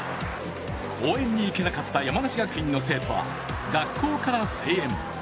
応援に行けなかった山梨学院の生徒は学校から声援。